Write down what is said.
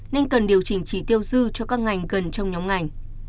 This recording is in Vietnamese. nên cần điều chỉnh chỉ tiêu dư cho các ngành gần trong nhóm ngành